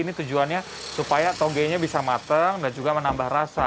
ini tujuannya supaya togenya bisa matang dan juga menambah rasa